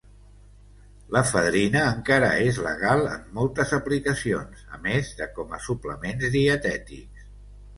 L'efedrina encara és legal en moltes aplicacions a més de com a suplements dietètics.